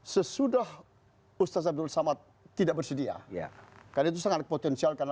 sesudah ustaz abdul samad tidak bersedia